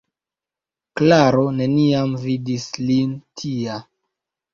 Klaro neniam vidis lin tia.